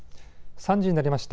３時になりました。